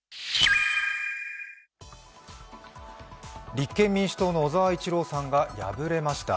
立憲民主党の小沢一郎さんが敗れました。